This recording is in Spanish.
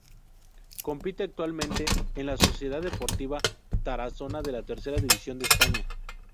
Compite actualmente en la Sociedad Deportiva Tarazona de la Tercera División de España.